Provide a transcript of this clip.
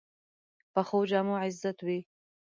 پخو جامو عزت وي